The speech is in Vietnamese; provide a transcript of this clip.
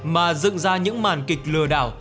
mà dựng ra những màn kịch lừa đào